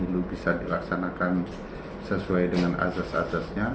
ya apakah sebuah pemilu bisa dilaksanakan sesuai dengan asas asasnya